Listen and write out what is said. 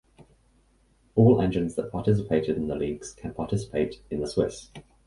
All engines that participated in the leagues can participate in the Swiss.